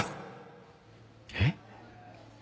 えっ？